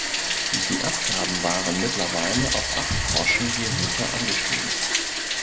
Die Abgaben waren mittlerweile auf acht Groschen je Hufe angestiegen.